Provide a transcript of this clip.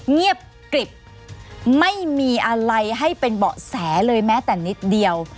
เงียบกริบไม่มีอะไรให้เป็นเบาะแสเลยแม้แต่นิดเดียว